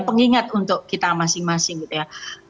pengingat untuk kita masing masing gitu ya